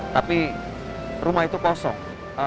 tapi rumah itu kosong